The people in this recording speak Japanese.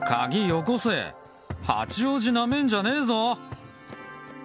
よこせ八王子なめんじゃねえぞ。